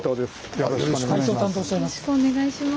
よろしくお願いします。